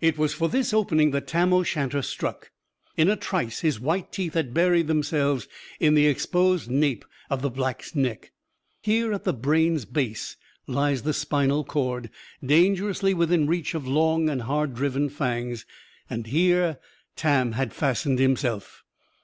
It was for this opening that Tam o' Shanter struck. In a trice his white teeth had buried themselves in the exposed nape of the Black's neck. Here, at the brain's base, lies the spinal cord, dangerously within reach of long and hard driven fangs. And here, Tam had fastened himself.